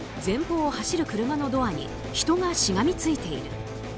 前方を走る車のドアに人がしがみついている。